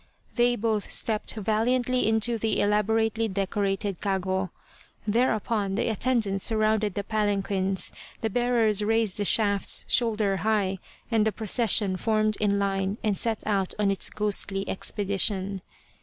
They both stepped valiantly into the elaborately decorated kago ; thereupon the attendants surrounded the palanquins, the bearers raised the shafts shoulder high, and the procession formed in line and set out on its ghostly expedition.